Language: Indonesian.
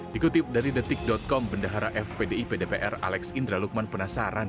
dikutip dari detik com bendahara fpdip dpr alex indra lukman penasaran